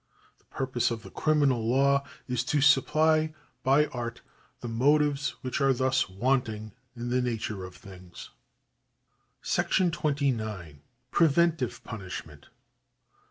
The purpose of the criminal law is to supply by art the motives which are thus wanting in the nature of things. §29. Preventive Punishment.